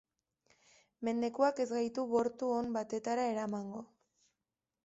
Mendekuak ez gaitu bortu on batetara eramango.